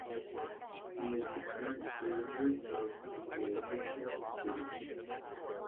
He is the current manager of Guayaquil City.